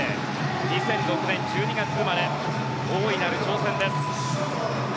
２００６年１２月生まれ大いなる挑戦です。